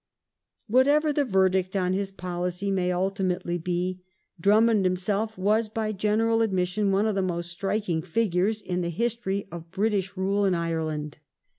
Whatever the verdict on his policy may ultimately be, Drum mond himself was by general admission one of the most striking figures in the history of British rule in Ireland.